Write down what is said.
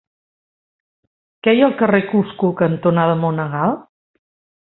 Què hi ha al carrer Cusco cantonada Monegal?